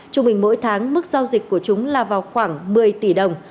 trung bình mỗi tháng mức giao dịch của chúng là vào khoảng một mươi tỷ đồng